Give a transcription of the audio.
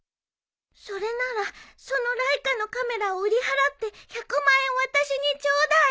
それならそのライカのカメラを売り払って１００万円私にちょうだい。